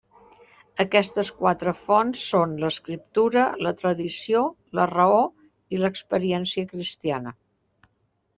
Aquestes quatre fonts són l'escriptura, la tradició, la raó i l'experiència cristiana.